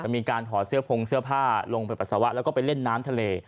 มีการถอดเสื้อพงเสื้อผ้าลงไปปัสสาวะแล้วก็ไปเล่นน้ำทะเล